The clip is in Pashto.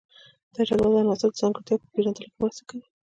دا جدول د عناصرو د ځانګړتیاوو په پیژندلو کې مرسته کوي.